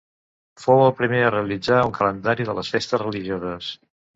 Fou el primer a realitzar un calendari de les festes religioses.